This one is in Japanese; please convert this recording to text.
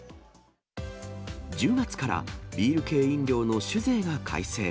１０月からビール系飲料の酒税が改正。